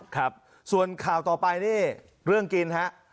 ครับส่วนข่าวต่อไปนี่เรื่องกินฮะ